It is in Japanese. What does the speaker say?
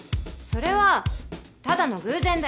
それはただの偶然だよ。